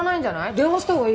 電話したほうがいいよ。